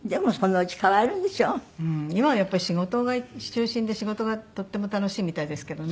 うん今はやっぱり仕事が中心で仕事がとても楽しいみたいですけどね。